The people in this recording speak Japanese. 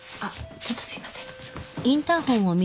ちょっとすいません。